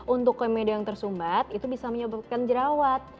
untuk komedi yang tersumbat itu bisa menyebabkan jerawat